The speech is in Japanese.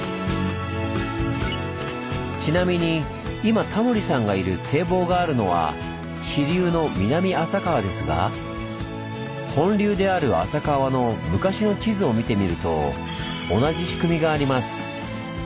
ちなみに今タモリさんがいる堤防があるのは支流の南浅川ですが本流である浅川の昔の地図を見てみると同じ仕組みがあります。